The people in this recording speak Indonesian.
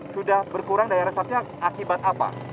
sudah berkurang daya resapnya akibat apa